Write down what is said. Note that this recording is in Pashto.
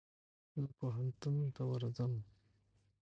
زه پوهنتون ته ورځم.